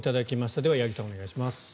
では八木さん、お願いします。